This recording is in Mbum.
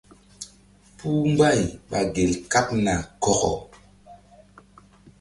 Puh mbay ɓa gel kaɓ na kɔkɔ.